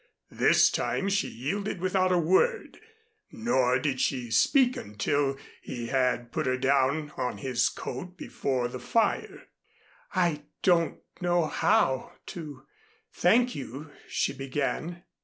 This time she yielded without a word, nor did she speak until he had put her down on his coat before the fire. "I don't know how to thank you " she began.